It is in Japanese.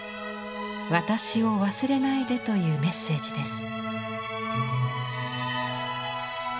「私を忘れないで」というメッセージです。